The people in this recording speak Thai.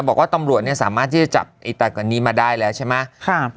บอกว่าตำรวจเนี่ยสามารถที่จะจับไอ้ตากว่านี้มาได้แล้วใช่ไหม